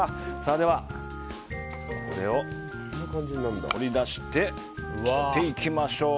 では、これを取り出して切っていきましょう。